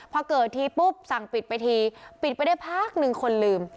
พอเกิดทีปุ๊บสั่งปิดไปทีปิดไปได้พักหนึ่งคนลืม